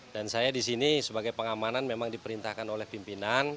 dan saya disini sebagai pengamanan memang diperintahkan oleh pimpinan